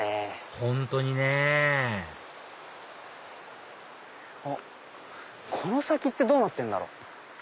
本当にねこの先ってどうなってるんだろう？